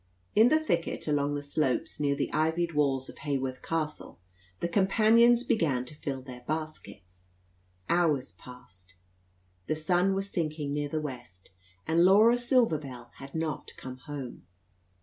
In the thicket, along the slopes near the ivied walls of Hawarth Castle, the companions began to fill their baskets. Hours passed. The sun was sinking near the west, and Laura Silver Bell had not come home.